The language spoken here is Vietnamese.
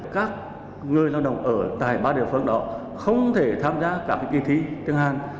các người lao động ở tại ba địa phương đó không thể tham gia các kỳ thí chứng hành